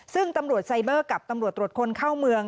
ซึ่งตำรวจไซเบอร์กับตำรวจตรวจคนเข้าเมือง